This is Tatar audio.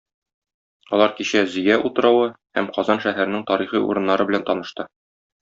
Алар кичә Зөя утравы һәм Казан шәһәренең тарихи урыннары белән танышты.